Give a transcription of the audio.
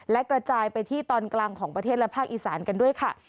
และกระจายไปที่ตอนกลางของประเทศและภาคอีสานกันด้วยค่ะ